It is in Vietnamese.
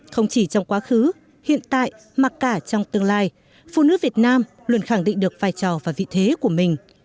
không chỉ trong quá khứ hiện tại mà cả trong tương lai phụ nữ việt nam luôn khẳng định được vai trò và vị thế của mình